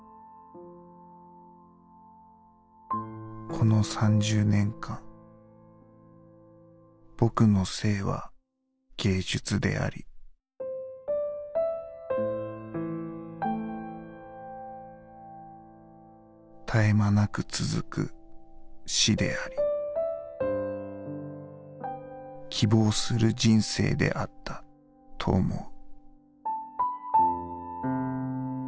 「この３０年間僕の生は芸術であり絶え間なく続く死であり希望する人生であったと思う」。